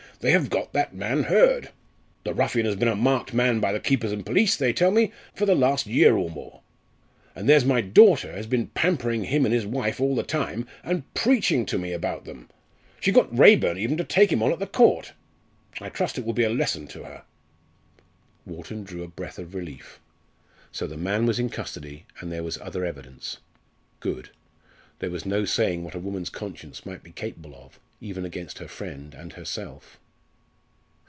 "They have got that man Hurd. The ruffian has been a marked man by the keepers and police, they tell me, for the last year or more. And there's my daughter has been pampering him and his wife all the time, and preaching to me about them! She got Raeburn even to take him on at the Court. I trust it will be a lesson to her." Wharton drew a breath of relief. So the man was in custody, and there was other evidence. Good! There was no saying what a woman's conscience might be capable of, even against her friends and herself.